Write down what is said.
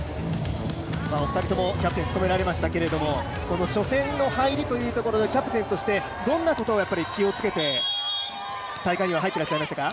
お二人ともキャプテンを務められましたけれども、この初戦の入りというところキャプテンとしてどんなことを気をつけて大会には入ってらっしゃいましたか？